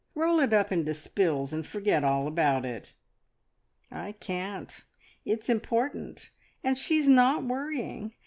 Roll it up into spills, and forget all about it." "I can't it's important. And she's not worrying.